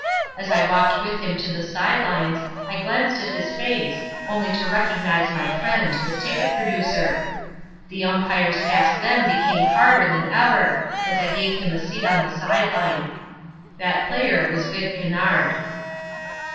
As I walked with him to the side lines, I glanced at his face, only to recognize my friend the ticket producer. The umpire's task then became harder than ever, as I gave him a seat on the side line. That player was Vic Kennard.